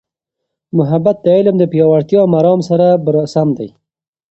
محبت د علم د پیاوړتیا مرام سره سم دی.